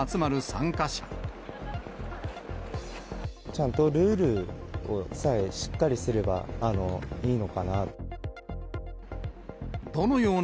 ちゃんとルールさえしっかりすればいいのかな。